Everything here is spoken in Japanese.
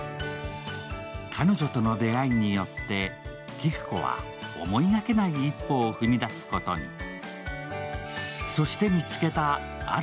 彼女との出会いによって、紀久子は思いがけない一歩を踏み出すことに。